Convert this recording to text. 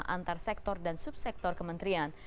antar sektor dan subsektor kementerian